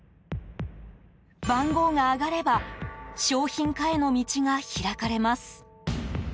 番号が上がれば商品化への道が開かれます。